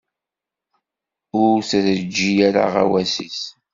Ur teǧǧi ara aɣawas-is.